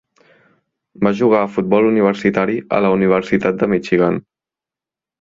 Va jugar a futbol universitari a la Universitat de Michigan.